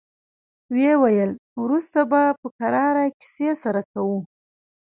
ويې ويل: وروسته به په کراره کيسې سره کوو.